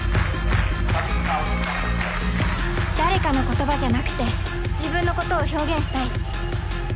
誰かの言葉じゃなくて自分のことを表現したい